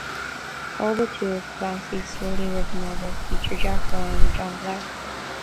All but two of Clancy's solely written novels feature Jack Ryan or John Clark.